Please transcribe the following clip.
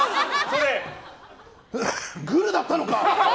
グルだったのか！